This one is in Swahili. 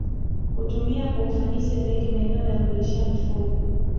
Kutumia kwa ufanisi zaidi maeneo ya kulishia mifugo